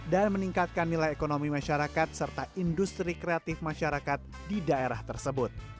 dan meningkatkan nilai ekonomi masyarakat serta industri kreatif masyarakat di daerah tersebut